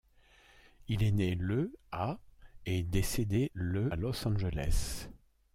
Il est né le à et décédé le à Los Angeles.